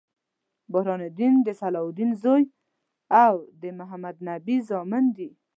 برهان الدين د صلاح الدین زوي او د محمدنبي زامن دي.